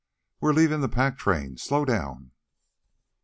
"We're leaving the pack train. Slow down!"